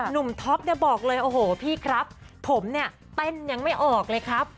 ท็อปเนี่ยบอกเลยโอ้โหพี่ครับผมเนี่ยเต้นยังไม่ออกเลยครับ